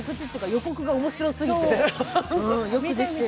予告が面白すぎて。